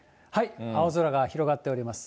青空が広がっております。